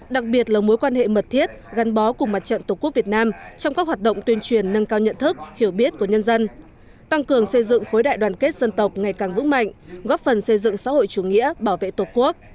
đặc biệt là mối quan hệ mật thiết gắn bó cùng mặt trận tổ quốc việt nam trong các hoạt động tuyên truyền nâng cao nhận thức hiểu biết của nhân dân tăng cường xây dựng khối đại đoàn kết dân tộc ngày càng vững mạnh góp phần xây dựng xã hội chủ nghĩa bảo vệ tổ quốc